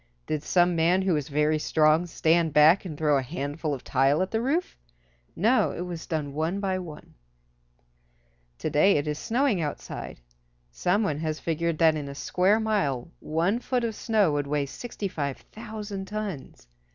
Did some man who was very strong stand back and throw a handful of tile at the roof? No, it was done one by one. To day it is snowing outside. Some one has figured that in a square mile one foot of snow would weigh 65,000 tons.